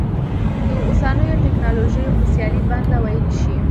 د اوسنیو ټکنالوژیو په سیالۍ بنده ویلی شي.